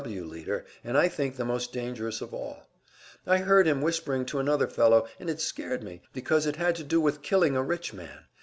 W. W. leader, and I think the most dangerous of all. I heard him whispering to another fellow, and it scared me, because it had to do with killing a rich man.